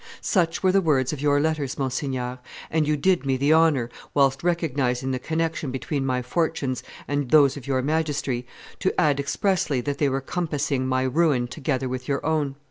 Such were the words of your letters, Mon seigneur, and you did me the honor, whilst recognizing the connection between my fortunes and those of your Majesty, to add expressly that they were compassing my ruin together with your own.